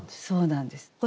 そうなんです。